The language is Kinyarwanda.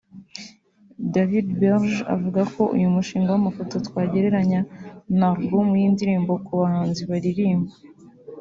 Davidberg avuga ko uyu mushinga w’amafoto twagereranya na Album y’indirimbo ku bahanzi baririmba